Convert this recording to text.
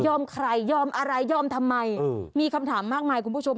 ใครยอมอะไรยอมทำไมมีคำถามมากมายคุณผู้ชม